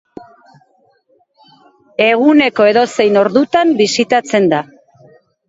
Eguneko edozein ordutan bisitatzen da.